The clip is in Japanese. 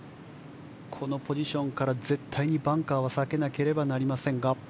このポジションから絶対にバンカーは避けなくてはいけません。